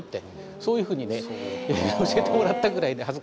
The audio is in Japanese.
そういうふうにね教えてもらったぐらいで恥ずかしいんですけど。